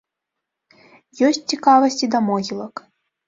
Ёсць цікавасць і да могілак.